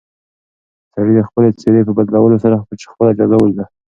سړي د خپلې څېرې په بدلولو سره خپله جزا ولیده.